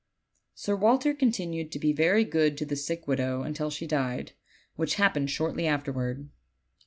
Sir Walter continued to be very good to the sick widow until she died, which happened shortly afterward.